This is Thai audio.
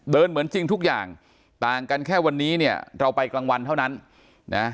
เหมือนจริงทุกอย่างต่างกันแค่วันนี้เนี่ยเราไปกลางวันเท่านั้นนะ